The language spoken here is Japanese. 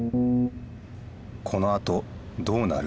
このあとどうなる？